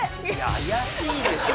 いや怪しいでしょ。